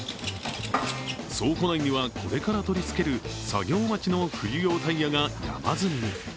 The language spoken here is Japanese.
倉庫内には、これから取りつける作業待ちの冬用タイヤが山積みに。